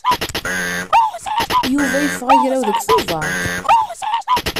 Yuba yeffeɣ agraw deg Tubeṛ.